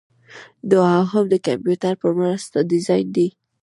دوهم د کمپیوټر په مرسته ډیزاین دی.